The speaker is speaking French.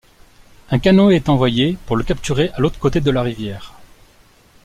Un canoe est envoyé pour le capturer à l'autre côté de la rivière.